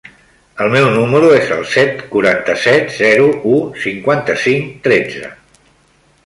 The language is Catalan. El meu número es el set, quaranta-set, zero, u, cinquanta-cinc, tretze.